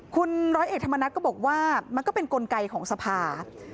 คุณร้อยเอกธรรมนัฐก็บอกว่ามันก็เป็นกลไกของสภา